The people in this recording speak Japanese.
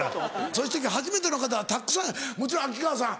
そして今日初めての方がたくさんもちろん秋川さん。